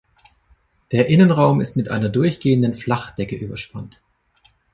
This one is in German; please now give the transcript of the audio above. Der Innenraum ist mit einer durchgehenden Flachdecke überspannt.